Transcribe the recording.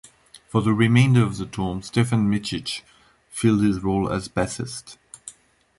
For the remainder of the tour, Stephen Micciche filled his role as bassist.